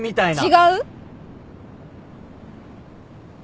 違う？